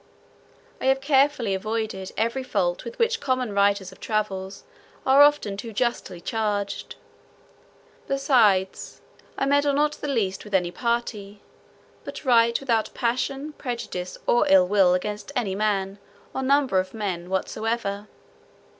I have carefully avoided every fault with which common writers of travels are often too justly charged. Besides, I meddle not the least with any party, but write without passion, prejudice, or ill will against any man, or number of men, whatsoever.